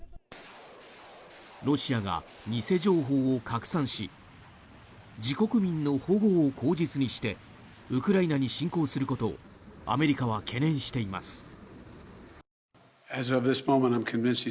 ロシアが偽情報を拡散し自国民の保護を口実にしてウクライナに侵攻することをアメリカは懸念しています。